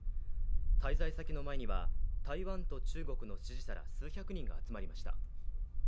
滞在先の前には台湾と中国の支持者ら数百人が集まりました。